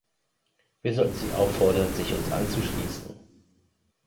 Wir sollten sie auffordern, sich uns anzuschließen.